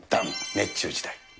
熱中時代。